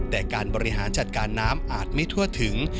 แต่การบริหารจัดการน้ำอาจไม่ทั่วถึง